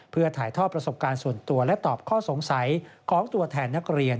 เพื่อถ่ายทอดประสบการณ์ส่วนตัวและตอบข้อสงสัยของตัวแทนนักเรียน